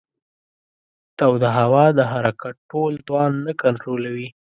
توده هوا د حرکت ټول توان نه کنټرولوي.